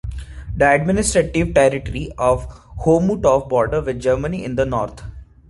The administrative territory of Chomutov borders with Germany in the north.